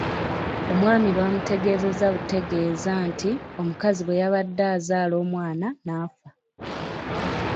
Omwami baamutegeezanga butegeeza nti omukazi bwe yabadde azaala omwana n’afa.